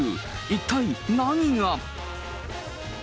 一体何が？